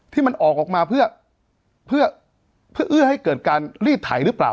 ที่มันออกมาเพื่อเอื้อให้เกิดการลีดไถหรือเปล่า